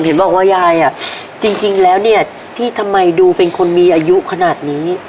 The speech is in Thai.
เห็นบอกว่ายายอ่ะจริงแล้วเนี่ยที่ทำไมดูเป็นคนมีอายุขนาดนี้